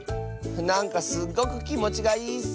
なんかすっごくきもちがいいッス！